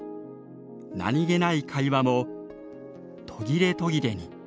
何気ない会話も途切れ途切れに。